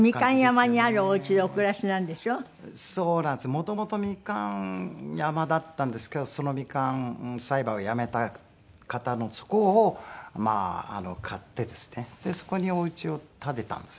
元々みかん山だったんですけどそのみかん栽培をやめた方のそこをまあ買ってですねでそこにお家を建てたんですね。